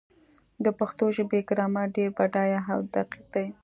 د پښتو ژبې ګرامر ډېر بډایه او دقیق دی.